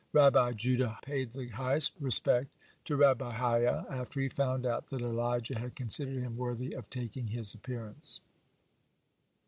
Rabbi Judah paid the highest respect to Rabbi Hayyah after he found out that Elijah had considered him worthy of taking his appearance.